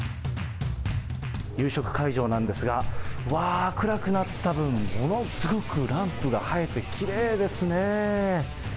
夕食会場なんですが、わー、暗くなった分、ものすごくランプが映えて、きれいですね。